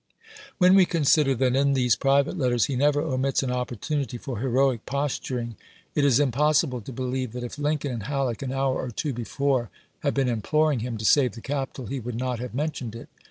When we consider that in these private letters he never omits an opportunity for heroic postur ing, it is impossible to believe that if Lincoln and Halleck an hour or two before had been imploring him to save the capital, he would not have men tioned it.